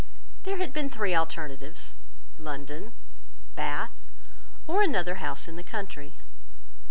There had been three alternatives, London, Bath, or another house in the country.